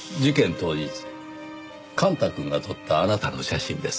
当日幹太くんが撮ったあなたの写真です。